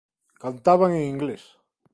Cantaban en inglés.